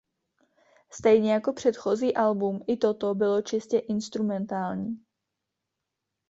Stejně jako předchozí album i toto bylo čistě instrumentální.